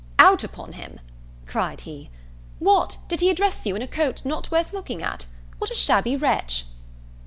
"Out upon him!" cried he; "What! did he address you in a coat not worth looking at? What a shabby wretch!"